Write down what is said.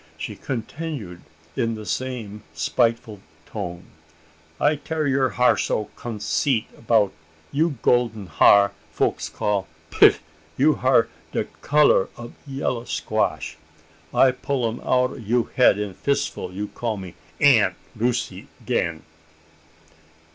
She continued in the same spiteful tone: "I tear you' har you so conceit' 'bout you' golding har, folks call. Piff! you' har da colour ob yella squash. I pull um out o' you' head in fistful, you call me Aunt Lucy 'gain."